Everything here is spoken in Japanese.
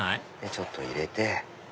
ちょっと入れて。